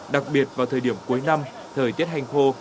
đặc biệt vào thời điểm cuối năm thời tiết hành khô